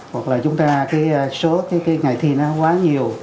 hoặc là chúng ta số ngày thi quá nhiều